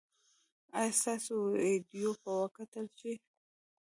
ایا ستاسو ویډیو به وکتل شي؟